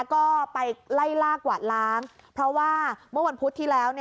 ก็ไปไล่ลากกวาดล้างเพราะว่าเมื่อวันพุธที่แล้ว